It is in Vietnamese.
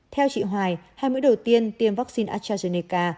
theo chị hoài hai mũi đầu tiên tiêm vaccine astrazeneca